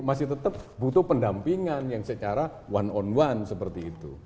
masih tetap butuh pendampingan yang secara one on one seperti itu